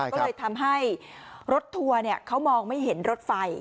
ก็เลยทำให้รถทัวร์เขามองไม่เห็นรถไฟ